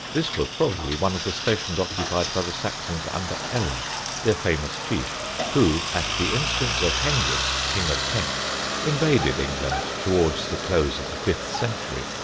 This was probably one of the stations occupied by the Saxons under Ella, their famous chief, who, at the instance of Hengist, King of Kent, invaded England towards the close of the fifth century.